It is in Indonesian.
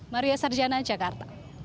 maria sarjana jakarta